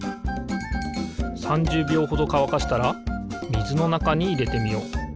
３０びょうほどかわかしたらみずのなかにいれてみよう。